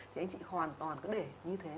thì anh chị hoàn toàn cứ để như thế